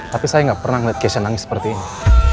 tapi saya gak pernah ngeliat cassion nangis seperti ini